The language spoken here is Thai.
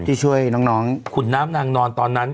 ที่ช่วยคุณน้ำนางนอนอ่ะ